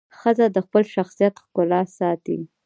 ښځه د خپل شخصیت ښکلا ساتي.